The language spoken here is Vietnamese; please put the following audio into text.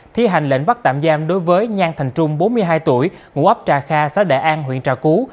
thi hành lệnh bắt tạm giam đối với nhan thành trung bốn mươi hai tuổi ngũ ấp trà kha xã đại an huyện trà cú